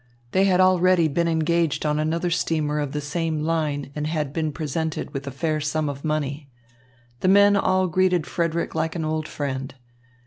They had already been engaged on another steamer of the same line and had been presented with a fair sum of money. The men all greeted Frederick like an old friend.